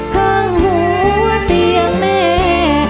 ข้างหัวเตียงแม่